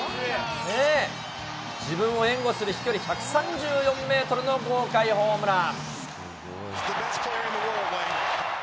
自分を援護する飛距離１３４メートルの豪快ホームラン。